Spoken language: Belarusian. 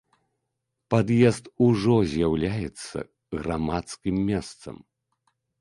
Пад'езд ужо з'яўляецца грамадскім месцам.